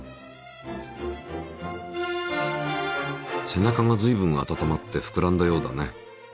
背中がずいぶん温まってふくらんだようだね。